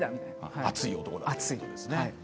熱い男ですね。